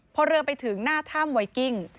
พอเรือไปถึงหน้าถ้ำไวกิ้ง